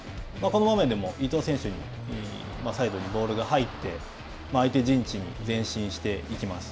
この場面でも、伊東選手にサイドにボールが入って、相手陣地に前進していきます。